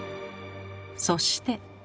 そして。